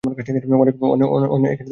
অনেক লোক করছে।